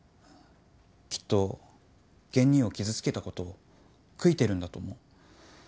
きっと玄兄を傷つけたこと悔いてるんだと思う。